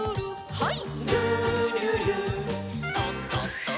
はい。